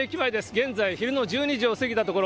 現在、昼の１２時を過ぎたところ。